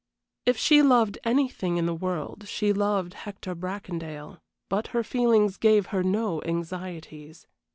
If she loved anything in the world she loved Hector Bracondale, but her feelings gave her no anxieties.